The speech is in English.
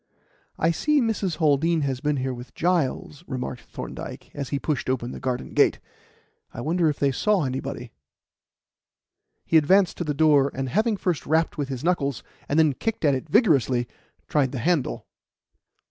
"I see Mrs. Haldean has been here with Giles," remarked Thorndyke, as he pushed open the garden gate. "I wonder if they saw anybody." He advanced to the door, and having first rapped with his knuckles and then kicked at it vigorously, tried the handle.